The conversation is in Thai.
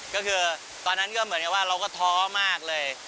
ก็คือตอนนั้นก็เหมือนกับว่าเราก็ท้อมากเลย